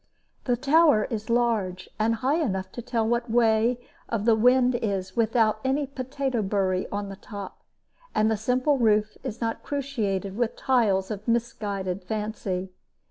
The tower is large, and high enough to tell what the way of the wind is without any potato bury on the top, and the simple roof is not cruciated with tiles of misguided fancy.